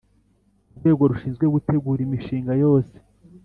Urwego rushinzwe gutegura imishinga yose